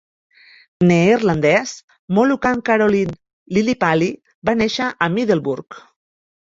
Neerlandès-Moluccan Carolijn Lilipaly va néixer a Middelburg.